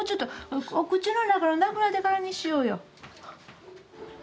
お口の中がなくなってからにしようよ。